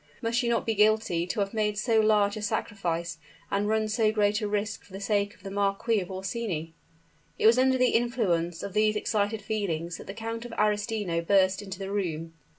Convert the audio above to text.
Must she not be guilty, to have made so large a sacrifice and run so great a risk for the sake of the Marquis of Orsini? It was under the influence of these excited feelings that the Count of Arestino burst into the room.